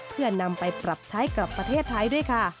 เพื่อนำไปปรับใช้กับประเทศไทยด้วยค่ะ